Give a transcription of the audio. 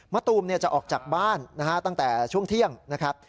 ตูมจะออกจากบ้านนะฮะตั้งแต่ช่วงเที่ยงนะครับ